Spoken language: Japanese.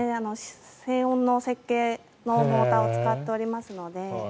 静音の設計のモーターを使っておりますので。